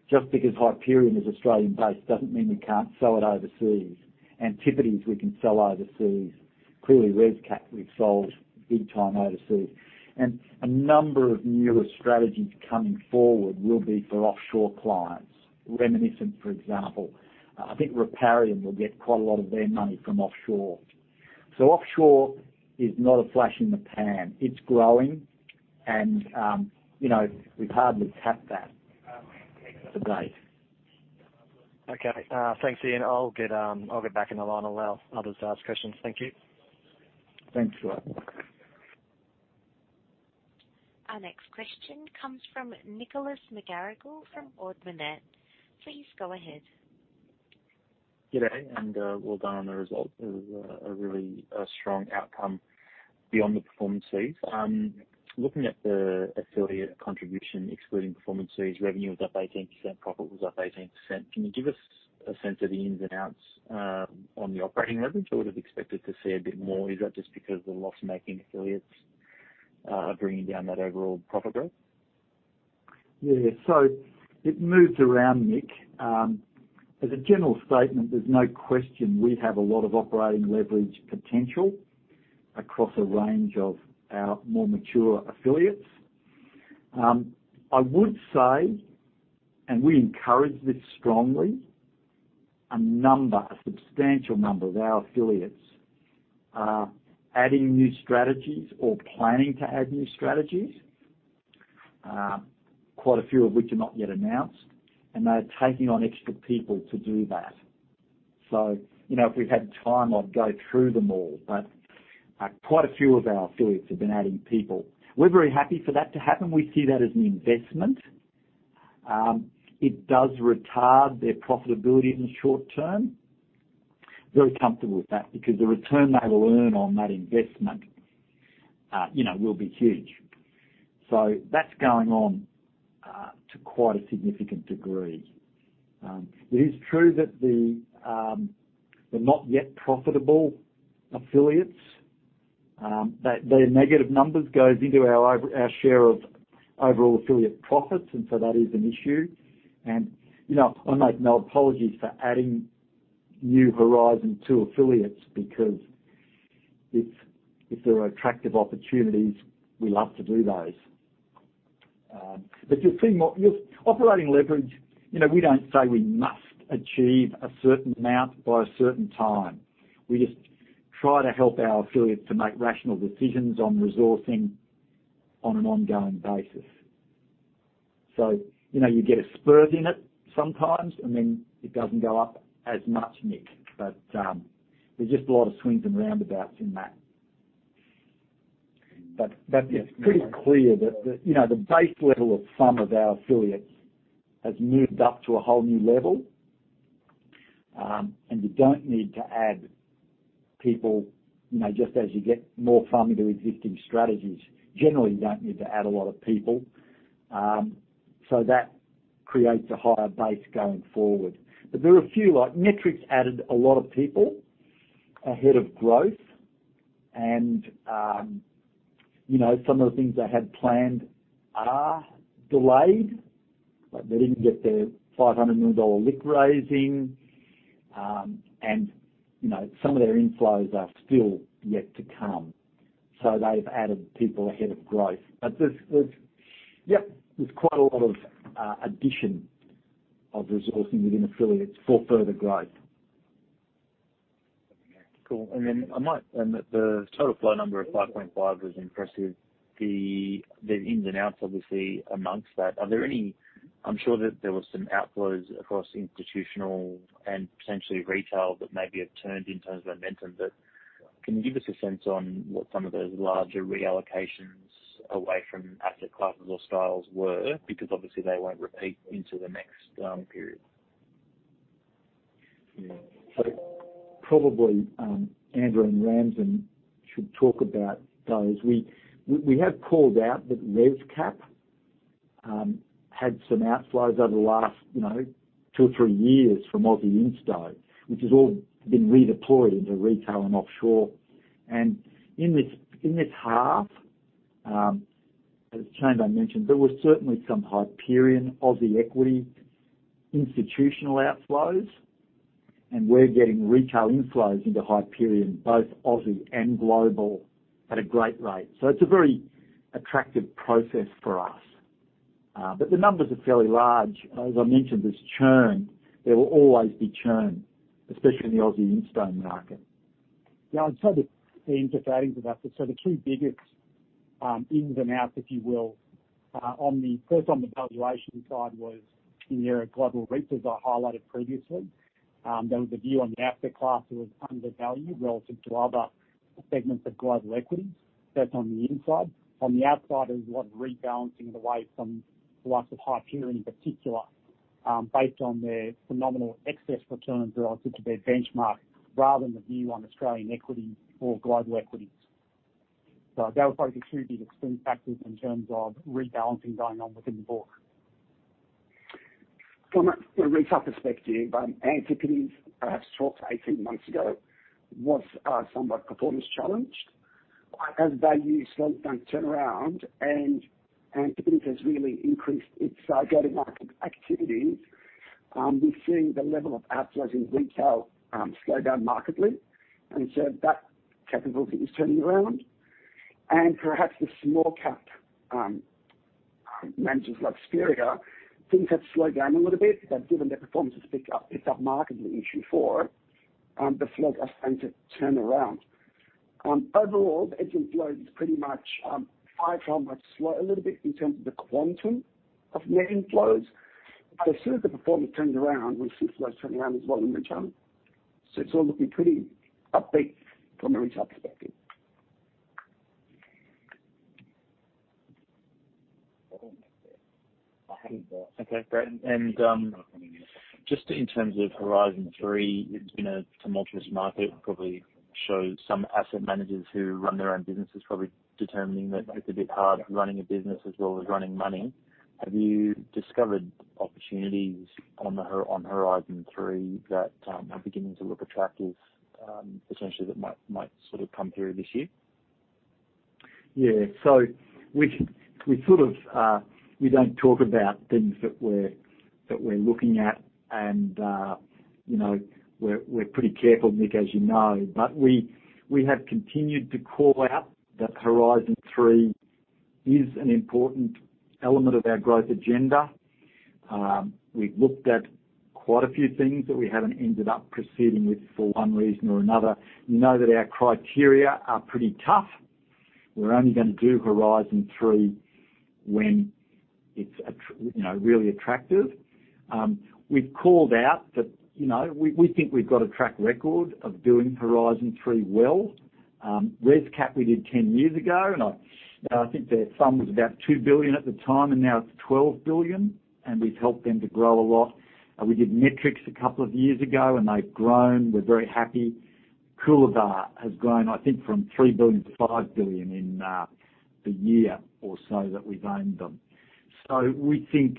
Just because Hyperion is Australian-based doesn't mean we can't sell it overseas. Antipodes we can sell overseas. Clearly, ResCap we've sold big time overseas. A number of newer strategies coming forward will be for offshore clients. Reminiscent, for example. I think Riparian will get quite a lot of their money from offshore. Offshore is not a flash in the pan. It's growing and we've hardly tapped that to date. Okay. Thanks, Ian. I'll get back in the line. I'll allow others to ask questions. Thank you. Thanks Scott. Our next question comes from Nicholas McGarrigle from Ord Minnett. Please go ahead. Good day, well done on the result. It was a really strong outcome beyond the performance fees. Looking at the affiliate contribution excluding performance fees, revenue was up 18%, profit was up 18%. Can you give us a sense of the ins and outs on the operating leverage? I would have expected to see a bit more. Is that just because of the loss-making affiliates bringing down that overall profit growth? It moves around, Nick. As a general statement, there's no question we have a lot of operating leverage potential across a range of our more mature affiliates. I would say, and we encourage this strongly, a substantial number of our affiliates are adding new strategies or planning to add new strategies, quite a few of which are not yet announced, and they are taking on extra people to do that. If we had time, I'd go through them all. Quite a few of our affiliates have been adding people. We're very happy for that to happen. We see that as an investment. It does retard their profitability in the short term. Very comfortable with that because the return they will earn on that investment will be huge. That's going on to quite a significant degree. It is true that the not yet profitable affiliates, their negative numbers goes into our share of overall affiliate profits, and so that is an issue. I make no apologies for adding new horizon to affiliates because if there are attractive opportunities, we love to do those. You'll see more. Operating leverage, we don't say we must achieve a certain amount by a certain time. We just try to help our affiliates to make rational decisions on resourcing on an ongoing basis. You get a spurt in it sometimes, and then it doesn't go up as much, Nick. There's just a lot of swings and roundabouts in that. It's pretty clear that the base level of some of our affiliates has moved up to a whole new level, and you don't need to add people, just as you get more funding to existing strategies. Generally, you don't need to add a lot of people. That creates a higher base going forward. There are a few, like Metrics added a lot of people ahead of growth and some of the things they had planned are delayed. They didn't get their 500 million dollar LIC raising, and some of their inflows are still yet to come. They've added people ahead of growth. There's quite a lot of addition of resourcing within affiliates for further growth. Cool. The total flow number of 5.5 was impressive. The ins and outs, obviously, amongst that. I'm sure that there were some outflows across institutional and potentially retail that maybe have turned in terms of momentum. Can you give us a sense on what some of those larger reallocations away from asset classes or styles were? Because obviously, they won't repeat into the next period. Probably, Andrew and Ramsin should talk about those. We have called out that ResCap had some outflows over the last two or three years from Aussie insto, which has all been redeployed into retail and offshore. In this half, as Chambers mentioned, there were certainly some Hyperion Aussie equity institutional outflows, and we're getting retail inflows into Hyperion, both Aussie and global, at a great rate. It's a very attractive process for us. The numbers are fairly large. As I mentioned, there's churn. There will always be churn, especially in the Aussie insto market. Yeah, I'd say that, just adding to that. The two biggest ins and outs, if you will, first on the valuation side was in the area of global REITs, as I highlighted previously. There was a view on the asset class that was undervalued relative to other segments of global equities. That's on the inside. On the outside, there was a lot of rebalancing away from the likes of Hyperion, in particular, based on their phenomenal excess returns relative to their benchmark, rather than the view on Australian equity or global equities. Those are the two big extreme factors in terms of rebalancing going on within the book. From a retail perspective, Antipodes, perhaps 12-18 months ago, was somewhat performance-challenged. As value slowly begun a turnaround and Antipodes has really increased its target market activities, we're seeing the level of outflows in retail slow down markedly, and so that capability is turning around. Perhaps the small cap managers like Spheria, things have slowed down a little bit, but given their performance has picked up markedly in Q4, the flows are starting to turn around. Overall, the inflows is pretty much, high flow might slow a little bit in terms of the quantum of net inflows. As soon as the performance turns around, we see flows turning around as well in the channel. It's all looking pretty upbeat from a retail perspective. Okay, great. Just in terms of Horizon 3, it's been a tumultuous market, probably shows some asset managers who run their own businesses probably determining that it's a bit hard running a business as well as running money. Have you discovered opportunities on Horizon 3 that are beginning to look attractive, potentially that might sort of come through this year? We don't talk about things that we're looking at and we're pretty careful, Nick, as you know. We have continued to call out that Horizon 3 is an important element of our growth agenda. We've looked at quite a few things that we haven't ended up proceeding with for one reason or another. You know that our criteria are pretty tough. We're only going to do Horizon 3 when it's really attractive. We've called out that we think we've got a track record of doing Horizon 3 well. ResCap we did 10 years ago, and I think their FUM was about 2 billion at the time, and now it's 12 billion, and we've helped them to grow a lot. We did Metrics a couple of years ago and they've grown. We're very happy. Coolabah has grown, I think, from 3 billion-5 billion in the year or so that we've owned them. We think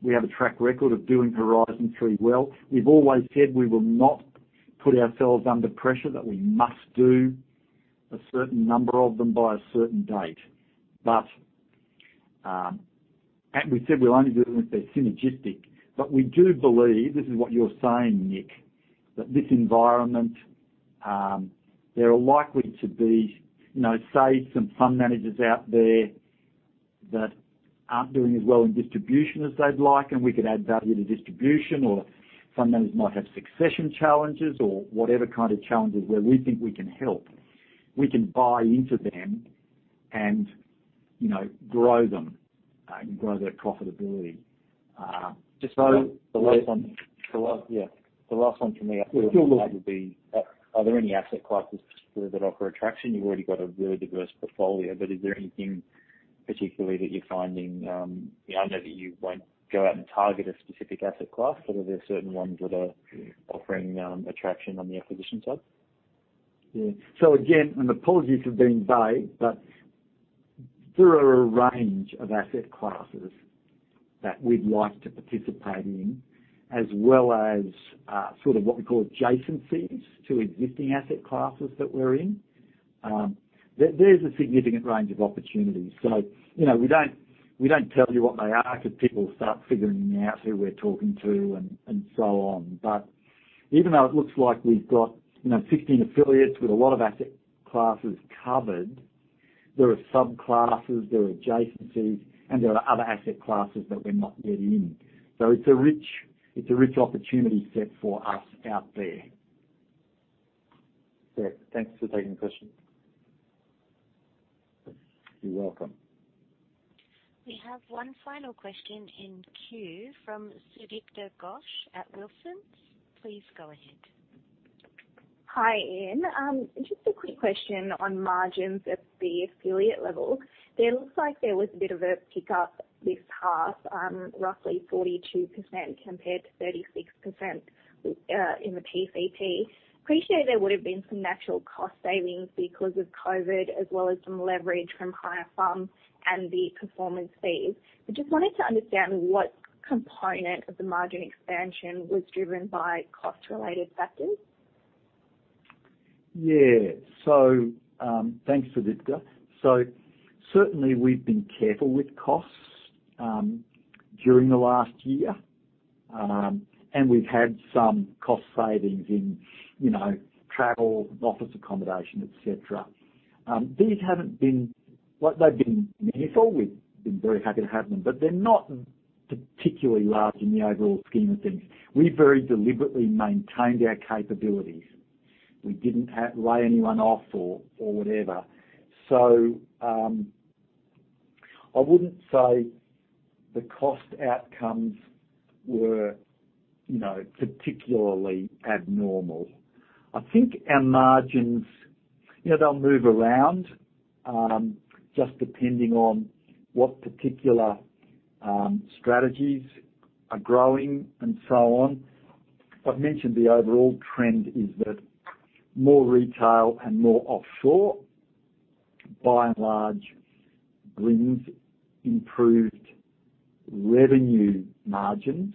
we have a track record of doing Horizon 3 well. We've always said we will not put ourselves under pressure that we must do a certain number of them by certain date. But, and we said we'll only do them if they're synergistic. We do believe, this is what you're saying, Nick, that this environment, there are likely to be, say some fund managers out there that aren't doing as well in distribution as they'd like, and we could add value to distribution or fund managers might have succession challenges or whatever kind of challenges where we think we can help. We can buy into them and grow them and grow their profitability. Just the last one for me. Yeah, sure. Are there any asset classes that offer attraction? You've already got a really diverse portfolio, but is there anything particularly that you're finding? I know that you won't go out and target a specific asset class, but are there certain ones that are offering attraction on the acquisition side? Yeah. Again, apologies for being vague, there are a range of asset classes that we'd like to participate in, as well as sort of what we call adjacencies to existing asset classes that we're in. There's a significant range of opportunities. We don't tell you what they are because people start figuring out who we're talking to and so on. Even though it looks like we've got 15 affiliates with a lot of asset classes covered, there are subclasses, there are adjacencies, and there are other asset classes that we're not yet in. It's a rich opportunity set for us out there. Great. Thanks for taking the question. You're welcome. We have one final question in queue from Sudipta Ghosh at Wilsons. Please go ahead. Hi, Ian. Just a quick question on margins at the affiliate level. There looks like there was a bit of a pickup this half, roughly 42% compared to 36%, in the PCP. Appreciate there would've been some natural cost savings because of COVID as well as some leverage from higher FUMs and the performance fees. I just wanted to understand what component of the margin expansion was driven by cost-related factors. Yeah. Thanks, Sudipta. Certainly we've been careful with costs during the last year. We've had some cost savings in travel, office accommodation, et cetera. They've been meaningful. We've been very happy to have them, they're not particularly large in the overall scheme of things. We very deliberately maintained our capabilities. We didn't lay anyone off or whatever. I wouldn't say the cost outcomes were particularly abnormal. I think our margins, they'll move around, just depending on what particular strategies are growing and so on. I've mentioned the overall trend is that more retail and more offshore, by and large, brings improved revenue margins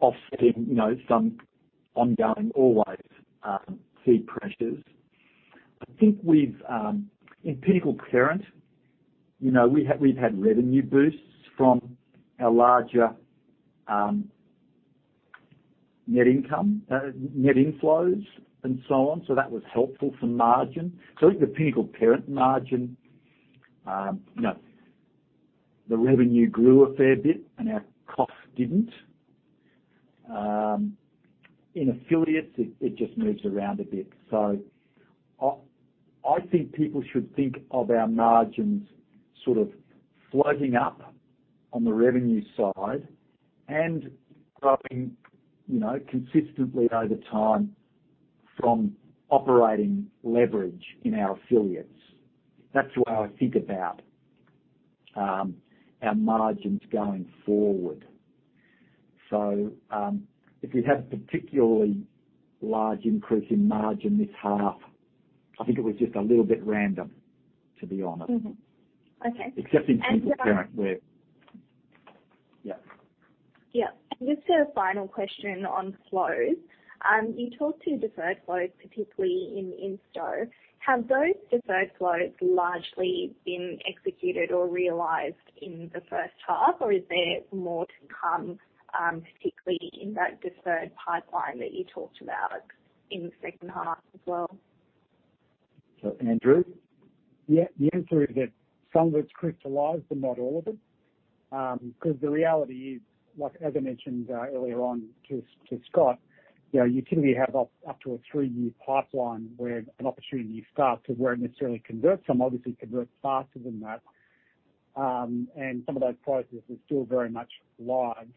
offsetting some ongoing, always, fee pressures. I think in Pinnacle Parent, we've had revenue boosts from our larger net inflows and so on. That was helpful for margin. I think the Pinnacle Parent margin, the revenue grew a fair bit and our costs didn't. In affiliates, it just moves around a bit. I think people should think of our margins sort of floating up on the revenue side and growing consistently over time from operating leverage in our affiliates. That's the way I think about our margins going forward. If you had a particularly large increase in margin this half, I think it was just a little bit random, to be honest. Mm-hmm. Okay. Except in Pinnacle Parent where Yeah. Yeah. Just a final question on flows. You talked to deferred flows, particularly in insto. Have those deferred flows largely been executed or realized in the first half, or is there more to come, particularly in that deferred pipeline that you talked about in the second half as well? Andrew? Yeah. The answer is that some of it's crystallized, but not all of it. The reality is, as I mentioned earlier on to Scott, you typically have up to a three-year pipeline where an opportunity starts to where it necessarily converts. Some obviously convert faster than that. Some of those processes are still very much live.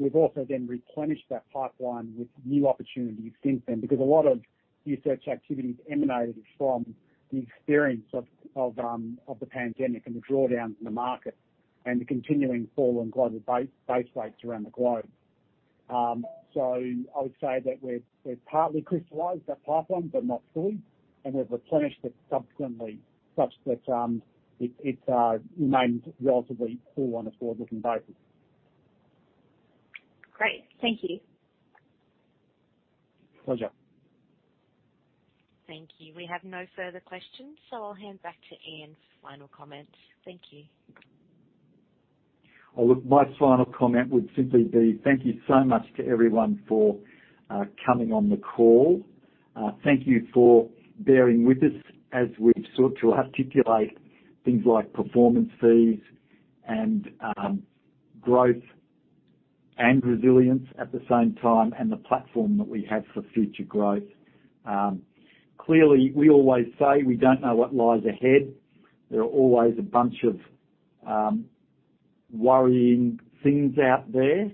We've also then replenished that pipeline with new opportunities since then, because a lot of new search activity's emanated from the experience of the pandemic and the drawdowns in the market and the continuing fall in global base rates around the globe. I would say that we've partly crystallized that pipeline, but not fully, and we've replenished it subsequently, such that it remains relatively full on a forward-looking basis. Great. Thank you. Pleasure. Thank you. We have no further questions, so I'll hand back to Ian for final comments. Thank you. Look, my final comment would simply be thank you so much to everyone for coming on the call. Thank you for bearing with us as we've sought to articulate things like performance fees and growth and resilience at the same time, and the platform that we have for future growth. Clearly, we always say we don't know what lies ahead. There are always a bunch of worrying things out there.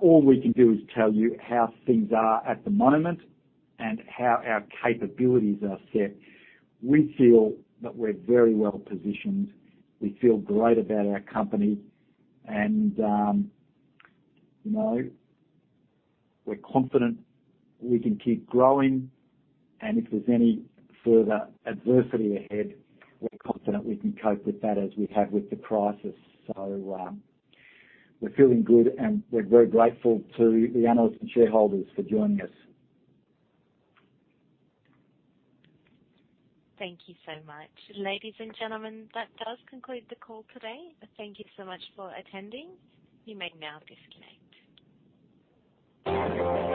All we can do is tell you how things are at the moment and how our capabilities are set. We feel that we're very well-positioned. We feel great about our company, we're confident we can keep growing. If there's any further adversity ahead, we're confident we can cope with that as we have with the crisis. We're feeling good, and we're very grateful to the analysts and shareholders for joining us. Thank you so much. Ladies and gentlemen, that does conclude the call today. Thank you so much for attending. You may now disconnect.